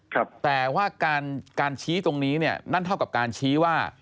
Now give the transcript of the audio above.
แต่ว่าการการชี้ตรงนี้เนี่ยนั่นเท่ากับการชี้ว่า